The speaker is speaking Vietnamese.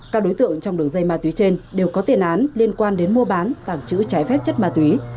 các đối tượng trong đường dây ma túy trên đều có tiền án liên quan đến mua bán tảng chữ trái phép chất ma túy